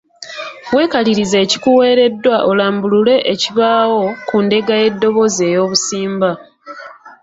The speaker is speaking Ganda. Weekalirize ekikuweereddwa olambulule ekibaawo ku ndeega y’eddoboozi ey’obusimba.